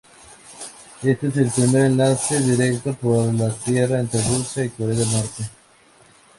Este es el primer enlace directo por tierra entre Rusia y Corea del Norte.